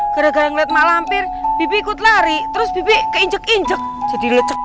gara gara ngeliat emak lampir bibi ikut lari terus bibi keinjek injek jadi lecek